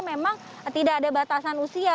memang tidak ada batasan usia